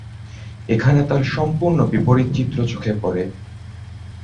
এখানে তার সম্পূর্ণ বিপরীত চিত্র চোখে পড়ে।